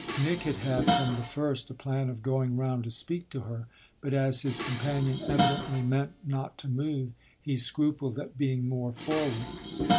Nick had had from the first a plan of going round to speak to her, but as his companion evidently meant not to move he scrupled at being more forward.